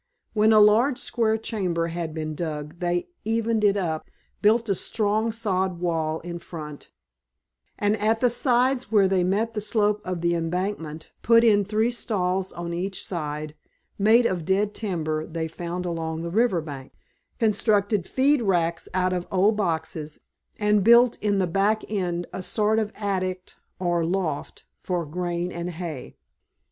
When a large square chamber had been dug they evened it up, built a strong sod wall in front and at the sides where they met the slope of the embankment, put in three stalls on each side, made of dead timber they found along the river bank, constructed feed racks out of old boxes, and built in the back end a sort of attic or loft, for grain and hay.